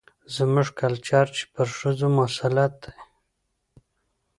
زموږ کلچر چې پر ښځو مسلط دى،